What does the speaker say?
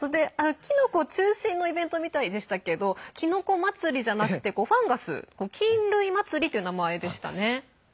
キノコ中心のイベントみたいでしたけどキノコ祭りじゃなくてファンガス菌類祭りという名前でしたね。